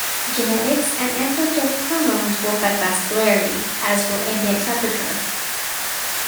Genetics and androgenic hormones will affect vascularity, as will ambient temperature.